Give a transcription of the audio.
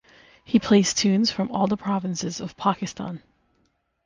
He plays tunes from all the provinces of Pakistan.